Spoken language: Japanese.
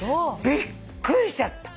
びっくりしちゃった。